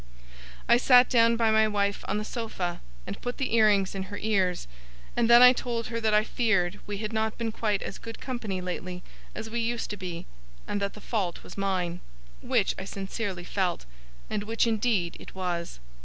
I sat down by my wife on the sofa, and put the ear rings in her ears; and then I told her that I feared we had not been quite as good company lately, as we used to be, and that the fault was mine. Which I sincerely felt, and which indeed it was.